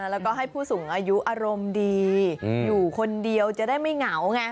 แล้วก็ให้ผู้สูงอายุอารมณ์ดีอยู่คนเดียวจะได้ไม่เหงาไง